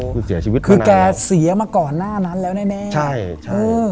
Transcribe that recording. คือเสียชีวิตมานานแล้วคือแกเสียมาก่อนหน้านั้นแล้วแน่คือแกเสียมาก่อนหน้านั้นแล้วแน่